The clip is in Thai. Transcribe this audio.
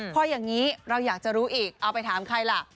พออย่างนี้เราอยากจะรู้อีกเอาไปถามใครล่ะ